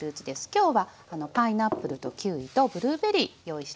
きょうはパイナップルとキウイとブルーベリー用意してます。